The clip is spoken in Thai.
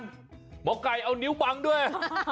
หมอไก่เอานิ้วบังด้วย